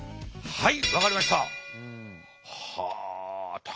はい。